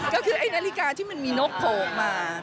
ก็คือไอ้นาฬิกาที่มันมีนกโผล่ออกมา